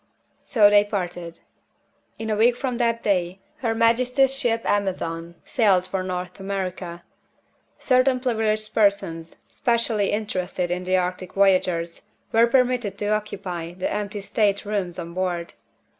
So they parted. In a week from that day, her majesty's ship Amazon sailed for North America. Certain privileged persons, specially interested in the Arctic voyagers, were permitted to occupy the empty state rooms on board.